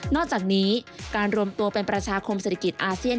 อกจากนี้การรวมตัวเป็นประชาคมเศรษฐกิจอาเซียน